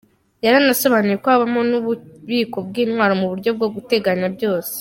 Yanasobanuye ko habamo nububiko bw’intwaro muburyo bwo guteganya byose.